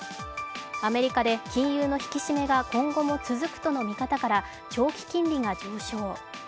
アメリカで金融の引き締めが今後も続くとの見方から長期金利が上昇。